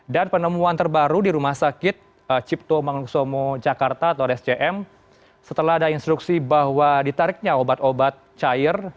dan penemuan terbaru di rumah sakit cipto mangusomo jakarta atau rscm setelah ada instruksi bahwa ditariknya obat obat cair